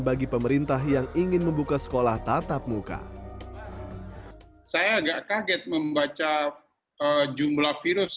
bagi pemerintah yang ingin membuka sekolah tatap muka saya agak kaget membaca jumlah virus